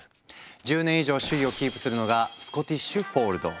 １０年以上首位をキープするのが「スコティッシュ・フォールド」。